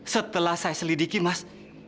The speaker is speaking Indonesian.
setelah saya selidiki mas